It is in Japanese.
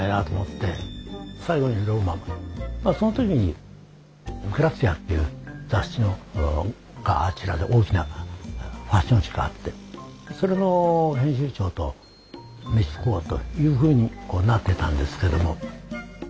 その時に「グラッツィア」という雑誌があちらで大きなファッション誌があってそれの編集長と飯食おうというふうになってたんですけども。